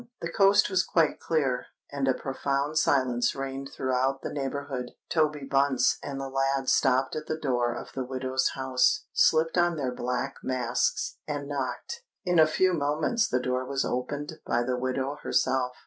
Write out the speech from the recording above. The coast was quite clear, and a profound silence reigned throughout the neighbourhood. Toby Bunce and the lad stopped at the door of the widow's house, slipped on their black masks, and knocked. In a few moments the door was opened by the widow herself.